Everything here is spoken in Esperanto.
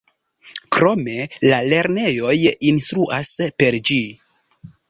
Krome, la lernejoj instruas per ĝi.